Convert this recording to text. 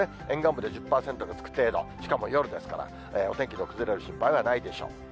沿岸部で１０％つく程度、しかも、夜ですから、お天気の崩れる心配はないでしょう。